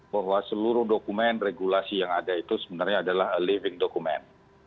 bahwa seluruh dokumen regulasi yang ada itu sebenarnya adalah living document